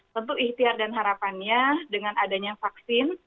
tentu ikhtiar dan harapannya dengan adanya vaksin